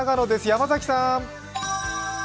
山崎さん。